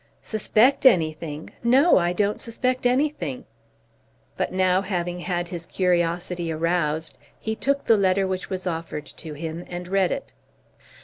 "Suspect anything! No; I don't suspect anything." But now, having had his curiosity aroused, he took the letter which was offered to him and read it.